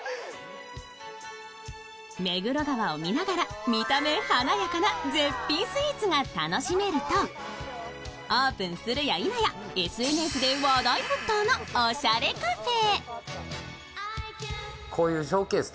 目黒川を見ながら、見た目華やかな絶品スイーツが楽しめると、オープンするやいなやＳＮＳで話題沸騰のおしゃれカフェ。